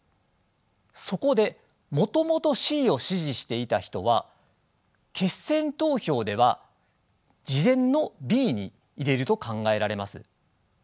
そこでもともとＣを支持していた人は決選投票では次善のＢに入れると考えられます。